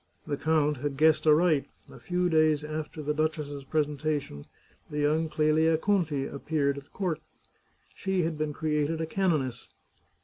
The count had guessed aright. A few days after the duchess's presentation the young Clelia Conti appeared at court ; she had been created a canoness.